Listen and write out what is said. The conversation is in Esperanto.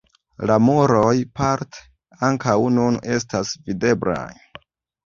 La muroj parte ankaŭ nun estas videblaj.